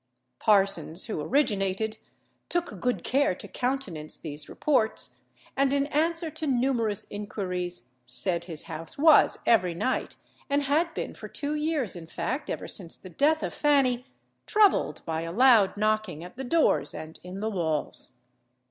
Parsons, who originated, took good care to countenance these reports; and, in answer to numerous inquiries, said his house was every night, and had been for two years, in fact, ever since the death of Fanny, troubled by a loud knocking at the doors and in the walls.